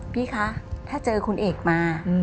พี่คะถ้าเจอคุณเอกมา